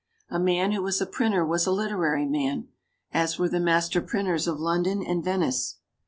A man who was a printer was a literary man, as were the master printers of London and Venice.